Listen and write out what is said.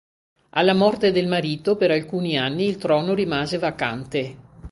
Alla morte del marito per alcuni anni il trono rimase vacante.